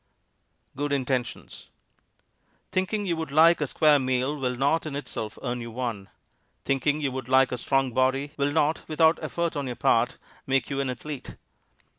GOOD INTENTIONS Thinking you would like a square meal will not in itself earn you one. Thinking you would like a strong body will not without effort on your part make you an athlete.